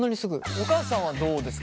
お母さんはどうですか？